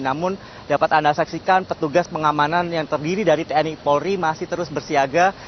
namun dapat anda saksikan petugas pengamanan yang terdiri dari tni polri masih terus bersiaga